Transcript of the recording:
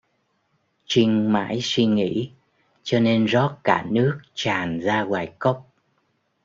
Trinh mải suy nghĩ cho nên rót cả nước tràn ra ngoài cốc